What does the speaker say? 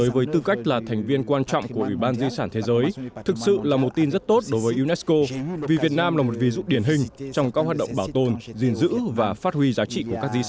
với tư cách là thành viên của ủy ban di sản thế giới nhiệm kỳ hai nghìn hai mươi ba hai nghìn hai mươi bảy việt nam sẽ cùng hai mươi quốc gia thành viên khác đảm nhận trọng trách giám sát việc thực thi công ước